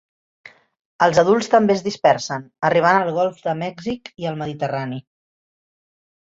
Els adults també es dispersen, arribant al Golf de Mèxic i el Mediterrani.